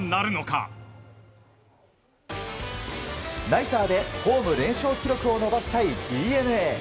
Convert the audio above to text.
ナイターでホーム連勝記録を伸ばしたいＤｅＮＡ。